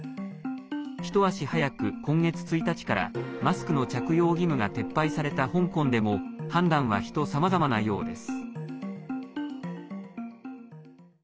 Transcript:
ひと足早く、今月１日からマスクの着用義務が撤廃された香港でも判断は人さまざまなようです。